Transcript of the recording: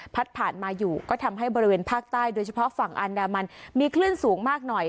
ผ่านมาอยู่ก็ทำให้บริเวณภาคใต้โดยเฉพาะฝั่งอันดามันมีคลื่นสูงมากหน่อย